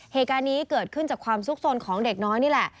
เหตุการณ์นี้เกิดขึ้นจากความสุขสนของเด็กน้อยนี่แหละ